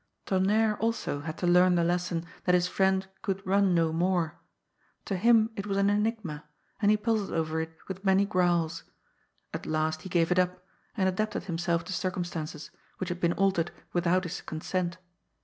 Tonnerre, also, had to learn the lesson that his friend could run no more. To him it was an enigma, and he puzzled over it with many growls. At last he gave it up, and adapted himself to circumstances, which had been altered without his consent.